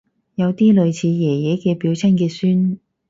有啲類似爺爺嘅表親嘅孫